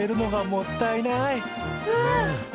もったいない。